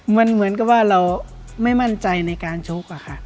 มันเหมือนกับว่าเราไม่มั่นใจในการชกอะค่ะ